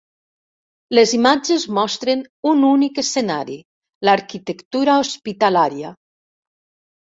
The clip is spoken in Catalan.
Les imatges mostren un únic escenari: l'arquitectura hospitalària.